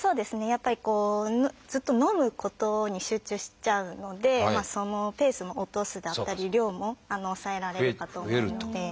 やっぱりずっと飲むことに集中しちゃうのでそのペースも落とすだったり量も抑えられるかと思うので。